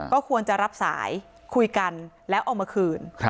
ก็ควรจะรับสายคุยกันแล้วเอามาคืน